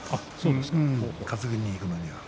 担ぎにいくには。